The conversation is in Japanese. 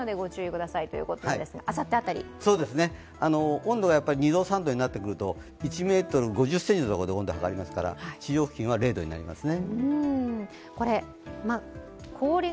温度が２度、３度になってくると、１ｍ５０ｃｍのところで温度を測りますから、地上付近は０度になりますね。